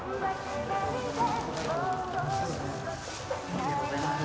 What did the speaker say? ありがとうございます。